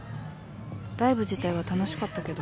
ライブ自体は楽しかったけど